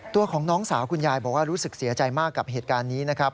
ตัวของน้องสาวคุณยายบอกว่ารู้สึกเสียใจมากกับเหตุการณ์นี้นะครับ